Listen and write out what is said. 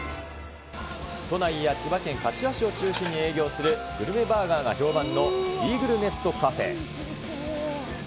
都内や千葉県柏市を中心に営業するグルメバーガーが評判のイーグルネストカフェ。